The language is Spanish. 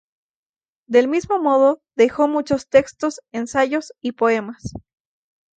Del mismo modo, dejó muchos textos, ensayos y poemas.